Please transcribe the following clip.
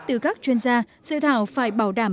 từ các chuyên gia dự thảo phải bảo đảm